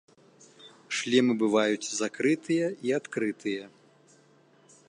Шлемы бываюць закрытыя і адкрытыя.